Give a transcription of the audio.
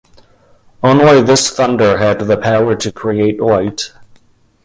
Only this thunder had the power to create light.